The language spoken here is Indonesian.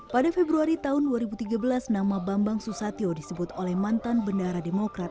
pada februari tahun dua ribu tiga belas nama bambang susatyo disebut oleh mantan bendara demokrat